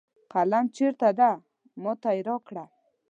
قلم د چېرته ده ما ته یې راکړه